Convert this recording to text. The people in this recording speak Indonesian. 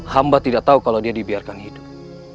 hamba tidak tahu kalau dia dibiarkan hidup